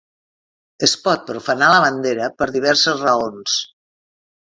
Es pot profanar la bandera per diverses raons.